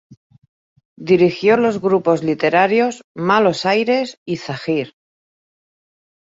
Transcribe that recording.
Dirigió los grupos literarios "Malos Ayres" y "Zahir".